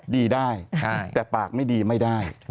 ดีได้แต่ปากไม่ดีไม่ได้